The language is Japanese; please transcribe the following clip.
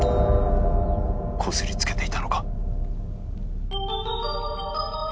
こすりつけていたのか。